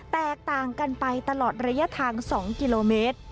แตกต่างกันไปตลอดระยะทาง๒กิโลเมตร